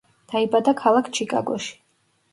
დაიბადა ქალაქ ჩიკაგოში.